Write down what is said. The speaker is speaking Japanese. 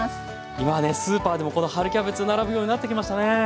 今ねスーパーでもこの春キャベツ並ぶようになってきましたね。